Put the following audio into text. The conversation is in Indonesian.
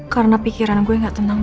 karena pikiran gue enggak tenang banget